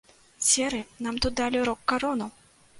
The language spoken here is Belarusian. Серы, нам тут далі рок-карону!